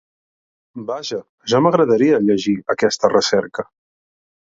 Vaja, ja m’agradaria llegir aquesta recerca!